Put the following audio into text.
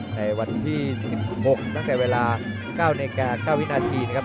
ในวันที่๑๖ตั้งแต่เวลา๙นาฬิกา๙วินาทีนะครับ